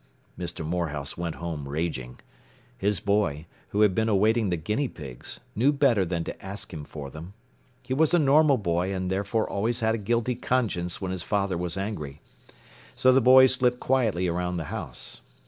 Mr. Morehouse went home raging. His boy, who had been awaiting the guinea pigs, knew better than to ask him for them. He was a normal boy and therefore always had a guilty conscience when his father was angry. So the boy slipped quietly around the house.